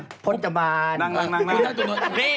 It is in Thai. พี่พฤษฐานเชิญนะฮะหญิงกลางหญิงกลางหญิงกลางต้องไปรับข้างโน้นน่ะไหม